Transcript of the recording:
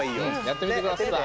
やってみてください！